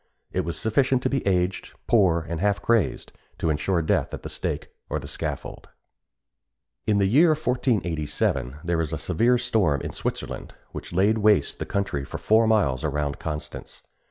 It was sufficient to be aged, poor, and half crazed, to ensure death at the stake or the scaffold. [Illustration: GATE OF CONSTANCE.] In the year 1487 there was a severe storm in Switzerland, which laid waste the country for four miles around Constance.